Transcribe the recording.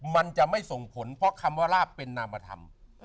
มันจะไม่ส่งผลเพราะคำว่าลาบเป็นนามธรรม